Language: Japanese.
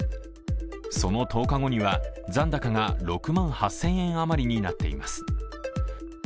その１０日後には残高が６万８０００円余りになっています。